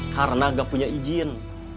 karena gak punya izin